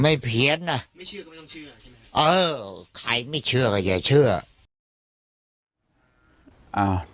ผมไม่เพียสนะไม่เชื่อก็ไม่ต้องเชื่อเออใครไม่เชื่อก็อย่าเชื่อ